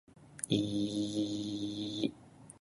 お腹がすきませんか